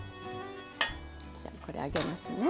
じゃあこれ上げますね。